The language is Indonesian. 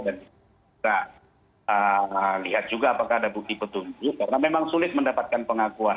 dan kita lihat juga apakah ada bukti petunjuk karena memang sulit mendapatkan pengakuan